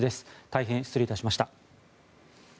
大変失礼いたしました。